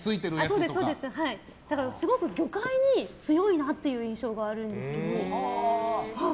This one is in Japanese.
すごく魚介に強いなっていう印象があるんですけど。